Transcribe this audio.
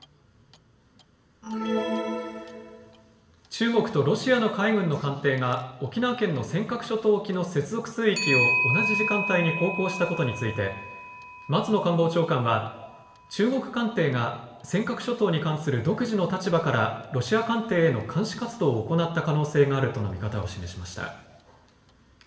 中国とロシアの海軍の艦艇が沖縄県の尖閣諸島沖の接続水域を同じ時間帯に航行したことについて松野官房長官は中国艦艇が尖閣諸島に関する独自の立場からロシア艦艇への監視活動を行った可能性があるとの見方を示しました。